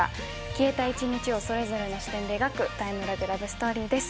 消えた一日をそれぞれの視点で描くタイムラグラブストーリーです。